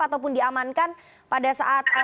ataupun diamankan pada saat